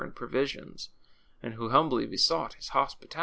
and provisions, and who humbly besought his hospitality.